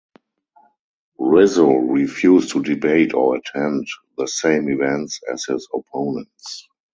Rizzo refused to debate or attend the same events as his opponents.